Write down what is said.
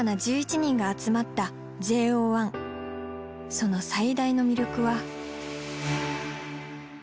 その最大の魅力は。